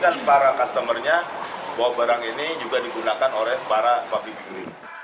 meyakinkan para customer nya bahwa barang ini juga digunakan oleh para pabrik pabrik